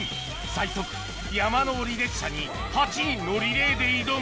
最速山登り列車に８人のリレーで挑む